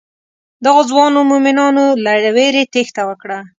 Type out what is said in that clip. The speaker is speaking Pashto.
دغو ځوانو مومنانو له وېرې تېښته وکړه.